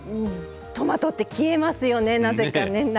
トマトって消えますよねなぜかね。ねえ。